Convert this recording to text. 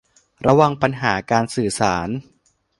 ระวังปัญหาการสื่อสาร